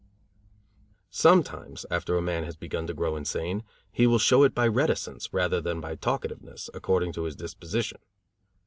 Sometimes, after a man has begun to grow insane, he will show it by reticence, rather than by talkativeness, according to his disposition.